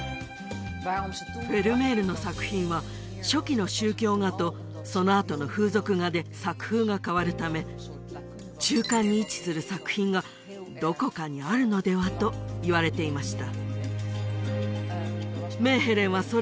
フェルメールの作品は初期の宗教画とそのあとの風俗画で作風が変わるため中間に位置する作品がどこかにあるのではといわれていました